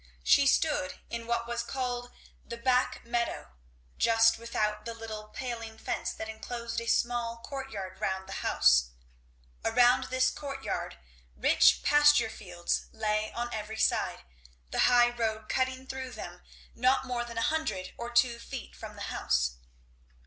She stood in what was called the back meadow, just without the little paling fence that enclosed a small courtyard round the house. Around this courtyard rich pasture fields lay on every side, the high road cutting through them not more than a hundred or two feet from the house.